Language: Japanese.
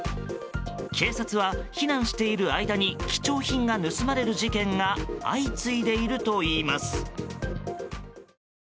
警察は避難している間に貴重品が盗まれる事件が相次いでいるといいます。